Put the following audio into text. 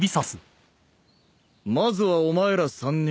まずはお前ら３人。